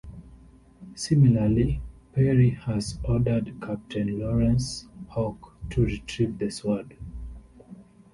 Similarly, Perry has ordered Captain Lawrence Hawk to retrieve the sword.